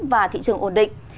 và thị trường ổn định